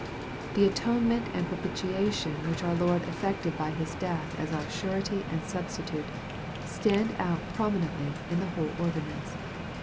The atonement and propitiation which our Lord effected by His death as our Surety and Substitute, stand out prominently in the whole ordinance.